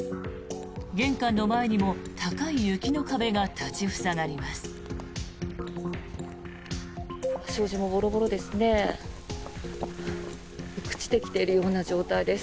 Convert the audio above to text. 玄関の前にも高い雪の壁が立ち塞がります。